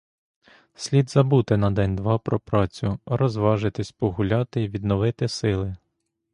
Слід забути на день-два про працю, розважитись, погуляти й відновити сили.